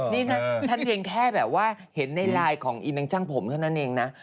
นี่น่ะฉันเท่าแบบว่าเห็นในไลน์ของอีกน้องจ้างผมเท่านั้นเองนะ